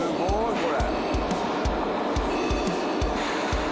これ。